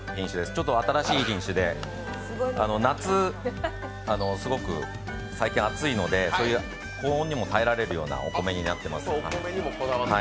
ちょっと新しい品種で、夏、すごく最近暑いので、高温にも耐えられるようなお米になっています